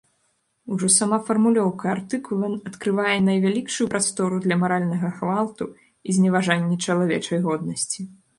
Ужо сама фармулёўка артыкула адкрывае найвялікшую прастору для маральнага гвалту і зневажання чалавечай годнасці.